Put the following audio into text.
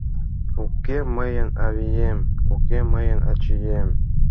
Уке мыйын авием, уке мыйын ачием